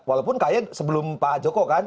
walaupun kayaknya sebelum pak joko kan